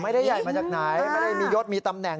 ไม่ได้ใหญ่มาจากไหนไม่ได้มียศมีตำแหน่ง